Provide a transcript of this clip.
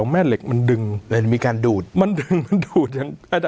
แม่เหล็กดูดหมด